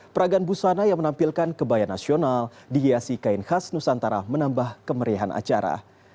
peragaan busana yang menampilkan kebaya nasional dihiasi kain khas nusantara menambah kemerihan acara